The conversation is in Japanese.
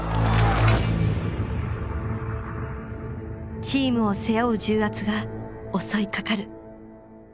チームを背負う重圧が襲いかかる。